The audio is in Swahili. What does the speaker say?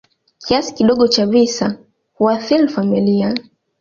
Kiasi kidogo cha visa huathiri familia.